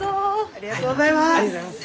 ありがとうございます！